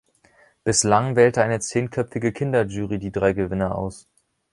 Bislang wählte eine zehnköpfige Kinderjury die drei Gewinner aus.